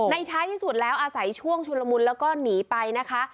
ท้ายที่สุดแล้วอาศัยช่วงชุลมุนแล้วก็หนีไปนะคะ